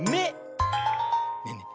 ねえねえ